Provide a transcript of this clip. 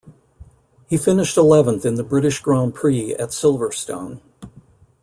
He finished eleventh in the British Grand Prix at Silverstone.